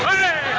jalan jalan men